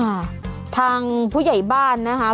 ค่ะทางผู้ใหญ่บ้านนะคะ